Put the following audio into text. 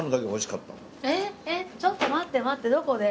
えっちょっと待って待ってどこで？